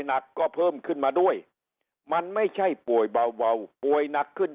หนักก็เพิ่มขึ้นมาด้วยมันไม่ใช่ป่วยเบาป่วยหนักขึ้น